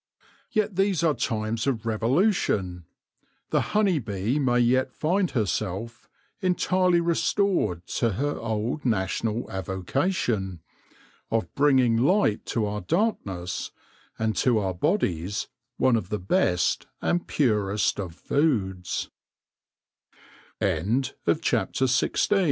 Yet these are times of revolution : the honey bee may yet find herself entirely restored to her old national avocation — of bringing light to our darkness, and to our bodies one of the best and pures